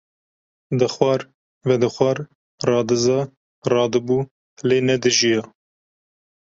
Dixwar, vedixwar, radiza, radibû, lê nedijiya.